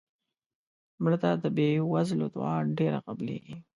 مړه ته د بې وزلو دعا ډېره قبلیږي